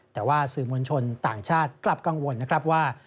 แต่ว่าสื่อมวลชนต่างชาติกลับกังวลนะครับว่า